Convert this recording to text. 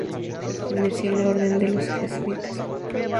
Pertenecía a la orden de los jesuitas.